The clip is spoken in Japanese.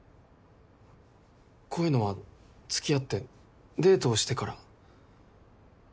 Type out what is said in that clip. こういうのは付き合ってデートをしてから。